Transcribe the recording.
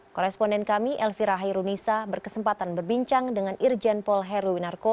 koresponden kami elvira hairunisa berkesempatan berbincang dengan irjen paul heruwinarko